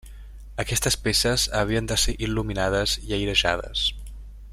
Aquestes peces havien de ser il·luminades i airejades.